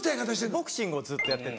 ボクシングをずっとやってて。